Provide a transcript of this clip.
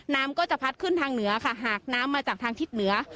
น้ำก็จะพัดขึ้นทางเหนือค่ะหากน้ำมาจากทางทิศเหนือ